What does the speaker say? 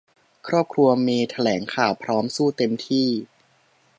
ครอบครัวเมยแถลงข่าวพร้อมสู้เต็มที่